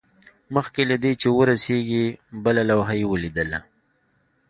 مخکې له دې چې ورسیږي بله لوحه یې ولیدل